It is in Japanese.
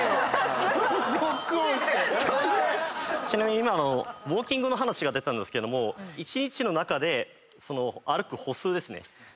ちなみに今ウオーキングの話が出たんですけども１日の中で歩く歩数ですね。